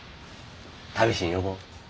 試しに呼ぼう。